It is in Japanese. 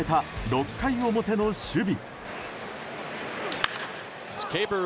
６回表の守備。